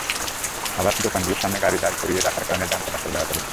আবার দোকানগুলোর সামনে গাড়ি দাঁড় করিয়ে রাখার কারণে যান চলাচল ব্যাহত হচ্ছে।